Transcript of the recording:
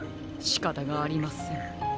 しかたがありません。